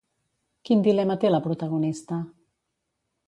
Quin dilema té la protagonista?